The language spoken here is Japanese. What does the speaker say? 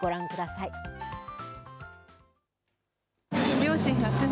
ご覧ください。